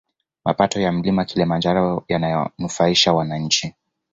Mapato ya mlima kilimanjaro yananufaisha wananchi